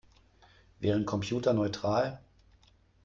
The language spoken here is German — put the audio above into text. Wären Computer neutral?